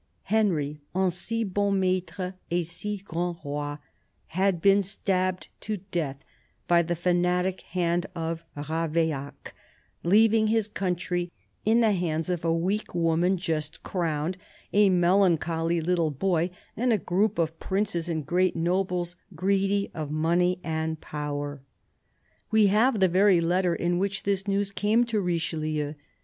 Henry, "un si bon maitre et si grand Roy," had been stabbed to death by the fanatic hand of Ravaillac, leaving his country in the hands of a weak woman just crowned, a melancholy little boy, and a group of princes and great nobles, greedy of money and power. We have the very letter in which this news came to Richelieu.